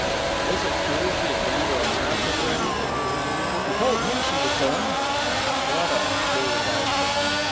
"Is it true she has gone to America, Freddie?" "She told me she was going." "What a fool I've been!"